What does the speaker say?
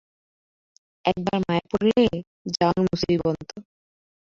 একবার মায়া পড়লে যাওন মুসিবন্ত!